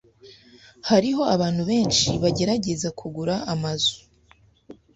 Hariho abantu benshi bagerageza kugura amazu.